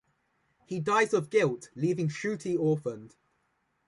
He dies of guilt leaving Shruti orphaned.